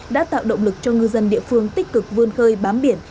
đã tạo động lực cho ngư dân địa phương tích cực vươn khơi bám biển